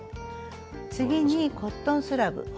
次にコットンスラブ。